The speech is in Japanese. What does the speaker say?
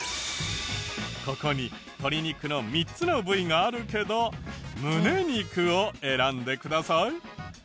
ここに鶏肉の３つの部位があるけどムネ肉を選んでください。